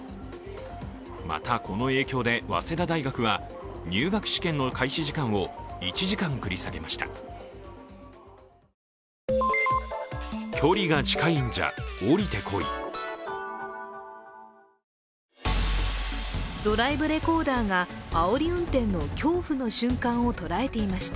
また、この影響で早稲田大学は入学試験の開始時間を１時間繰り下げました。